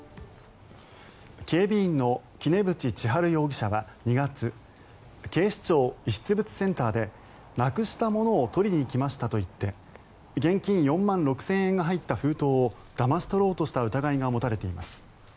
警備員の杵渕千春容疑者は２月警視庁遺失物センターでなくしたものを取りに来ましたと言って現金４万６０００円が入った封筒をだまし取ろうとした疑いが持たれています。